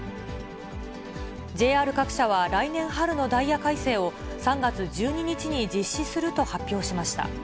ＪＲ各社は来年春のダイヤ改正を、３月１２日に実施すると発表しました。